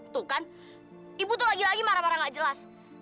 tuh kan ibu tuh lagi lagi marah marah gak jelas